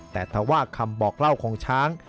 แต่ถ้าว่าคำบอกเล่าของช้าง